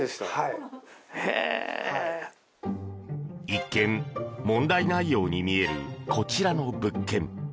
一見、問題ないように見えるこちらの物件。